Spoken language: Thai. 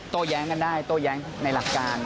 แย้งกันได้โต้แย้งในหลักการ